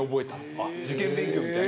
あっ受験勉強みたいに。